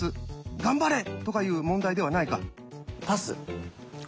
頑張れ！とかいう問題ではないか。